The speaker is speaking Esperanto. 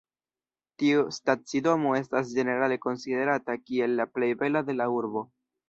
Tiu stacidomo estas ĝenerale konsiderata kiel la plej bela de la urbo.